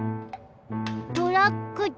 トラックだ。